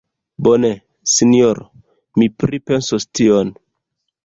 Bone, sinjoro; mi pripensos tion.